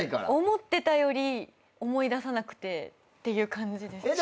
思ってたより思い出さなくてっていう感じです。